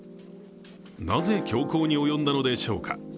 なぜ凶行に及んだのでしょうか。